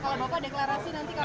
kalau bapak deklarasi nanti kapan pak